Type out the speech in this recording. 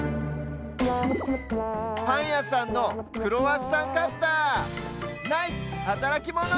パンやさんの「クロワッサンカッター」ナイスはたらきモノ！